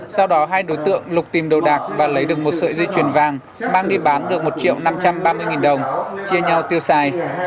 sau đó hai đối tượng lục tìm đầu đạc và lấy được một sợi dây chuyền vàng mang đi bán được một triệu năm trăm ba mươi nghìn đồng chia nhau tiêu xài